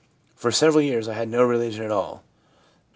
For several years I had no religion at all.'